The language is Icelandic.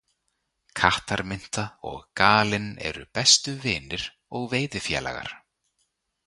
Kattarmynta og Galinn eru bestu vinir og veiðifélagar.